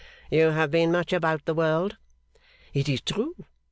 'You have been much about the world?' 'It is true.